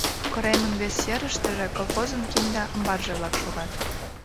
Коремын вес серыштыже колхозын кинде амбарже-влак шогат.